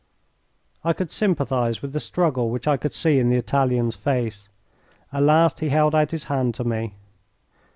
I could sympathise with the struggle which I could see in the Italian's face. At last he held out his hand to me.